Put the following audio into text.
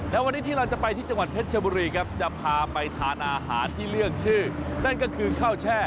และวันที่ที่เราจะไปที่จังหวันเพชรชบุหรีครับ